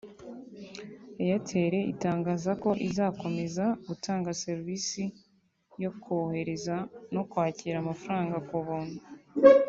Airtel itangaza ko izakomeza gutanga serivise yo kohereza no kwakira amafaranga ku buntu